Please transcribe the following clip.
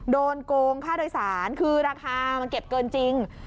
โกงค่าโดยสารคือราคามันเก็บเกินจริง